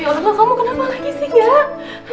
ya allah kamu kenapa lagi sih gak